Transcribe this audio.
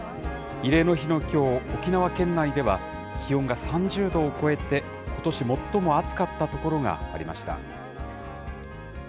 慰霊の日のきょう、沖縄県内では、気温が３０度を超えて、ことし最も暑かった所がありました。